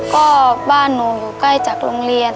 ก็บ้านหนูอยู่ใกล้จากโรงเรียน